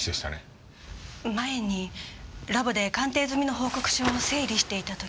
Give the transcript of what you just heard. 前にラボで鑑定済みの報告書を整理していた時。